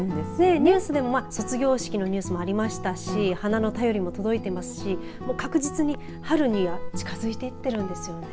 ニュースでも卒業式のニュースもありましたし花の便りも届いてますし確実に春には近づいていってるんですよね。